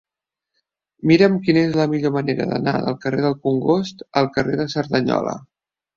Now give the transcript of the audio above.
Mira'm quina és la millor manera d'anar del carrer del Congost al carrer de Cerdanyola.